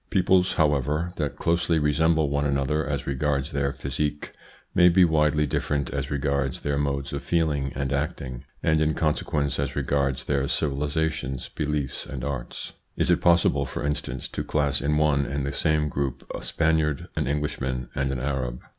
Peoples, however, that closely resemble one another as regards their physique, may be widely different as regards their modes of feeling and acting, and in consequence as regards their civilisations, beliefs, and arts. Is it possible, for in stance, to class in one and the same group a Spaniard, an Englishman, and an Arab?